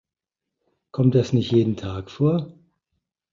Kommt das nicht jeden Tag vor?